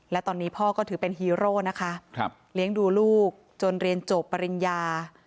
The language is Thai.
และตอนนี้พ่อก็ถือเป็นฮีโร่นะคะเลี้ยงดูลูกจนเรียนจบปริญญา